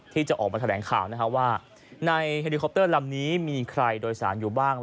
ที่จะออกมาแถลงข่าวว่าในเฮลิคอปเตอร์ลำนี้มีใครโดยสารอยู่บ้าง